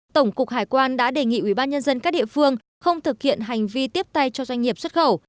tổng cục hải quan đã đề nghị ubnd các địa phương không thực hiện hành vi tiếp tay cho doanh nghiệp xuất khẩu